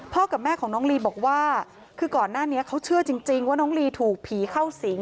กับแม่ของน้องลีบอกว่าคือก่อนหน้านี้เขาเชื่อจริงว่าน้องลีถูกผีเข้าสิง